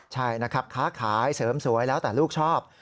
ใช่นะครับค้าขายเสริมสวยแล้วแต่ลูกชอบ